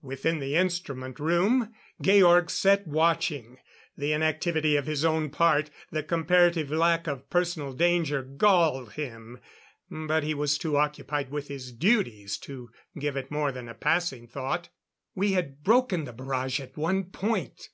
Within the instrument room, Georg sat watching. The inactivity of his own part, the comparative lack of personal danger, galled him. But he was too occupied with his duties to give it more than passing thought. We had broken the barrage at one point